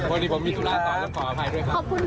วันนี้ผมมีธุระตอนแล้วขออภัยด้วยครับ